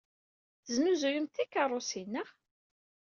Tesnuzuyemt tikeṛṛusin, naɣ?